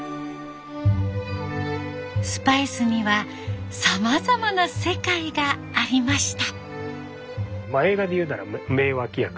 スパイスにはさまざまな世界がありました。